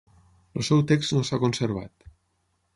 El seu text no s'ha conservat.